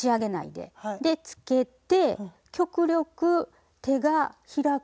でつけて極力手が開く。